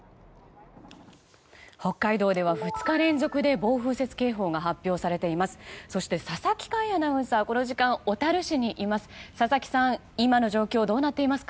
北海道では２日連続で暴風雪警報が発表されています。